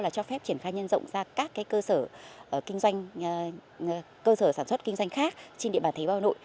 cho phép triển khai nhân rộng ra các cơ sở sản xuất kinh doanh khác trên địa bàn thế bào hà nội